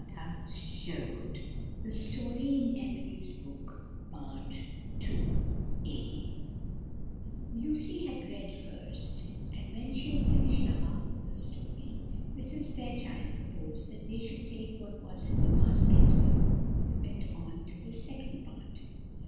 [Illustration: Going gaily down the hill] Lucy had read first, and when she had finished the half of the story, Mrs. Fairchild proposed that they should take what was in the basket, before they went on to the second part.